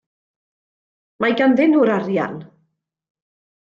Mae ganddyn nhw'r arian.